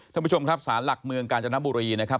ท่านผู้ชมครับสารหลักเมืองกาญจนบุรีนะครับ